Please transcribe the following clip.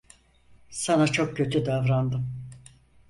Sana çok kötü davrandım.